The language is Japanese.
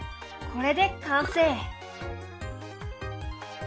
これで完成！